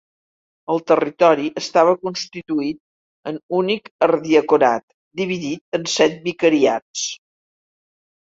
El territori estava constituït en únic ardiaconat, dividit en set vicariats.